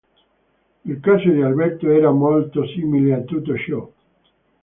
Il caso di Alberto era molto simile a tutto ciò.